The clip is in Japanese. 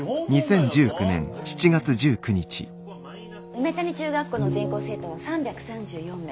梅谷中学校の全校生徒は３３４名。